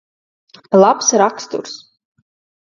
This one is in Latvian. Labs raksturs.